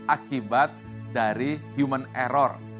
akibat dari human error